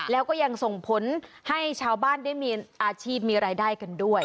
แล้วก็ยังส่งผลให้ชาวบ้านได้มีอาชีพมีรายได้กันด้วย